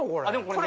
これ。